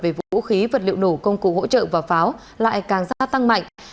về vũ khí vật liệu nổ công cụ hỗ trợ và pháo lại càng gia tăng mạnh